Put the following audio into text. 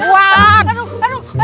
kenapa kamu berangkat